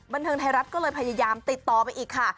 บันเทิงไทยรัฐก็เลยพยายามติดต่อไปอีกค่ะ